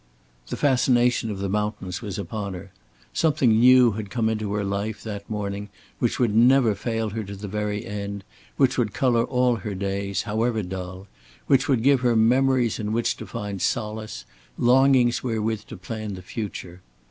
The fascination of the mountains was upon her. Something new had come into her life that morning which would never fail her to the very end, which would color all her days, however dull, which would give her memories in which to find solace, longings wherewith to plan the future.